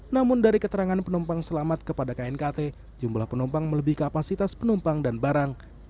namun dari keterangan penumpang selamat kepada knkt jumlah penumpang melebihi kapasitas penumpang dan barang